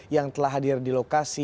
yang telah hadir di lokasi